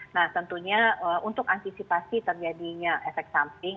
nah tentunya untuk antisipasi terjadinya efek samping